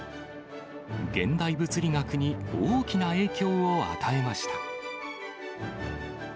現代物理学に大きな影響を与えました。